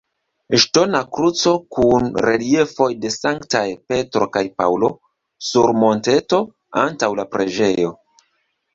Ŝtona kruco kun reliefoj de Sanktaj Petro kaj Paŭlo sur monteto antaŭ la preĝejo.